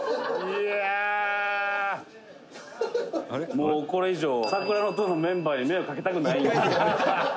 「もうこれ以上『桜の塔』のメンバーに迷惑かけたくない」